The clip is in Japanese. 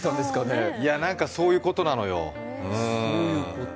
そういうことなのよ。